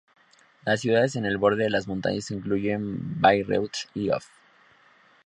Las ciudades en el borde de las montañas incluyen Bayreuth y Hof.